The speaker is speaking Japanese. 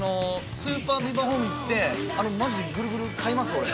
スーパービバホームに行ってマジで、グルグル買います、俺。